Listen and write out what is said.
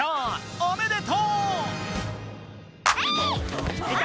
おめでとう！